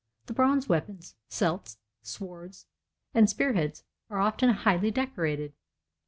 The bronze weapons celts, swords, and spear heads are often highly decorated.